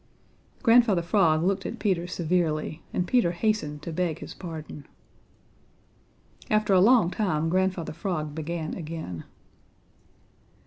Grandfather Frog looked at Peter severely, and Peter hastened to beg his pardon. After a long time Grandfather Frog began again.